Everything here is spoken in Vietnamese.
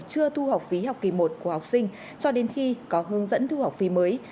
chưa thu học phí học kỳ một của học sinh cho đến khi có hướng dẫn thu học phí mới